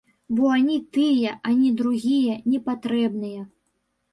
Бо ані тыя, ані другія не патрэбныя.